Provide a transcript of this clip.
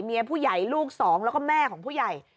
เมียผู้ใหญ่ลูกสองแล้วก็แม่ของผู้ใหญ่